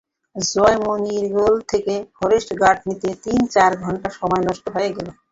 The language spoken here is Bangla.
জয়মণিরঘোল থেকে ফরেস্ট গার্ড নিতে তিন-চার ঘণ্টা সময় নষ্ট হয়ে গেল।